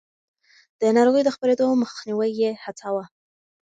د ناروغيو د خپرېدو مخنيوی يې هڅاوه.